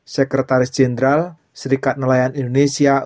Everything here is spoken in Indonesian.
sekretaris jenderal serikat nelayan indonesia